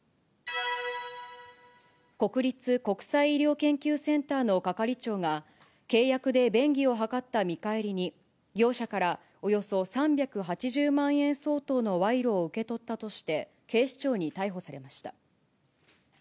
国立国際医療研究センターの係長が、契約で便宜を図った見返りに、業者からおよそ３８０万円相当の賄賂を受け取ったとして、警視庁に逮捕されました。